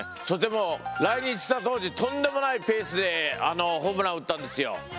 そしてもう来日した当時とんでもないペースでホームラン打ったんですよ。